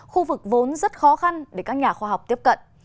khu vực vốn rất khó khăn để các nhà khoa học tiếp cận